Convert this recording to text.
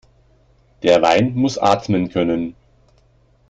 Der Wein muss atmen können.